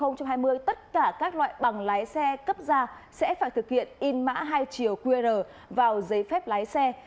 năm hai nghìn hai mươi tất cả các loại bằng lái xe cấp ra sẽ phải thực hiện in mã hai chiều qr vào giấy phép lái xe